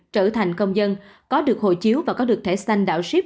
trở thành công dân có được hộ chiếu và có được thể xanh đảo ship